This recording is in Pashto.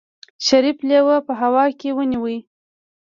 شريف لېوه په هوا کې ونيو.